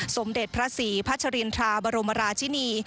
สมเด็จพระศรีพัชรินทราบรมราชินี